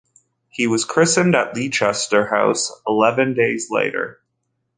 He was christened at Leicester House eleven days later.